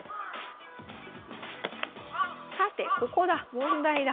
さてここだ問題だ。